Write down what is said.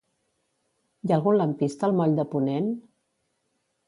Hi ha algun lampista al moll de Ponent?